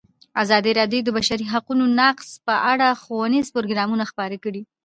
ازادي راډیو د د بشري حقونو نقض په اړه ښوونیز پروګرامونه خپاره کړي.